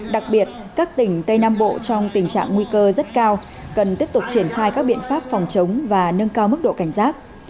đặc biệt các tỉnh tây nam bộ trong tình trạng nguy cơ rất cao cần tiếp tục triển khai các biện pháp phòng chống và nâng cao mức độ cảnh giác